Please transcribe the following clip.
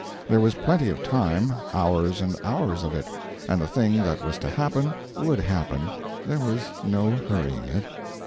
There was plenty of time, hours and hours of it, and the thing that was to happen would happen there was no hurrying it.